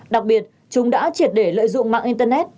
đặc biệt chúng đã triệt để lợi dụng mạng internet